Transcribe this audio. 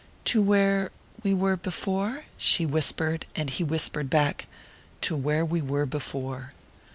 "To where...we were...before?" she whispered; and he whispered back: "To where we were before."